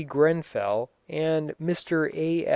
Grenfell and Mr A.